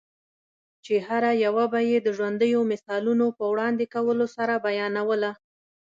چي هره یوه به یې د ژوندییو مثالو په وړاندي کولو سره بیانوله؛